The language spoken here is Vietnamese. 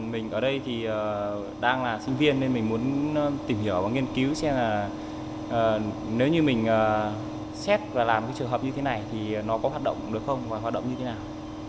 mình ở đây thì đang là sinh viên nên mình muốn tìm hiểu và nghiên cứu xem là nếu như mình xét và làm cái trường hợp như thế này thì nó có hoạt động được không và hoạt động như thế nào